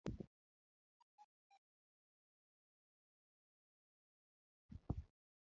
Kama ne onyuolae: samia bujwanga